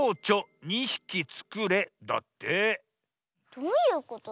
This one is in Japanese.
どういうこと？